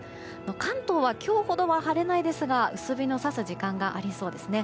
関東は今日ほどは晴れないですが薄日の差す時間がありそうですね。